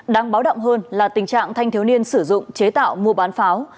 đáng báo động hơn là tình trạng thanh thiếu niên sử dụng chế tạo mua bán pháo